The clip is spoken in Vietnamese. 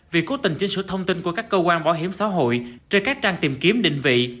việc cố tình chia sửa thông tin của các cơ quan bảo hiểm xã hội trên các trang tìm kiếm định vị